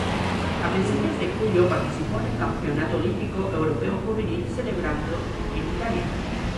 A principios de julio participó en el Campeonato Olímpico Europeo Juvenil celebrado en Italia.